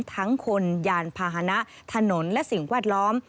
ทั้งคนยานพาหนะถนนและสิ่งแวดล้อม